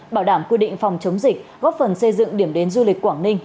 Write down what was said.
bảo đảm quy định phòng chống dịch góp phần xây dựng điểm đến du lịch quảng ninh